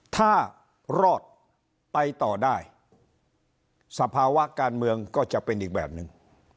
ถ้ารอดไปต่อได้สภาวะการเมืองก็จะเป็นอีกแบบหนึ่ง